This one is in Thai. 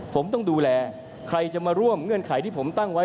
ผมต้องดูแลใครจะมาร่วมเงื่อนไขที่ผมตั้งไว้